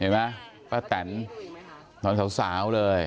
เห็นไหมป้าแตนนอนสาวเลย